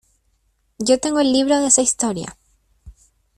yo tengo el libro de esa Historia.